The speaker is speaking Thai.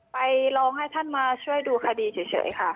ไปลองให้ท่านมาช่วยดูคดีเฉยค่ะ